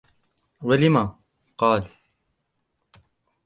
وَلِمَ ؟ قَالَ